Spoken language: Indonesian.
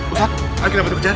ustaz ayo kita berdua kejar